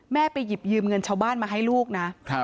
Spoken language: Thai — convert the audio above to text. ไปหยิบยืมเงินชาวบ้านมาให้ลูกนะ